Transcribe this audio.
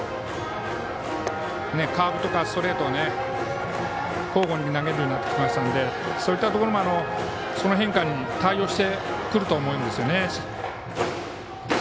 カーブとかストレートを交互に投げるようになってきたのでそういったところもその変化に対応してくると思うんですね。